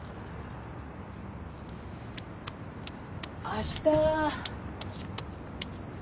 あした。